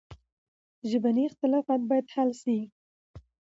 ژبني اختلافات باید حل سي.